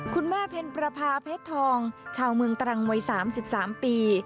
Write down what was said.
เพ็ญประพาเพชรทองชาวเมืองตรังวัย๓๓ปี